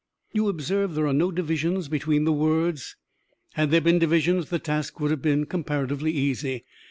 "You observe there are no divisions between the words. Had there been divisions the task would have been comparatively easy.